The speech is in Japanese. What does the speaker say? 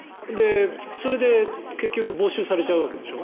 それで結局没収されちゃうわけでしょ。